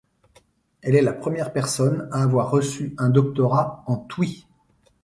Elle est la première personne à avoir reçu un doctorat en twi.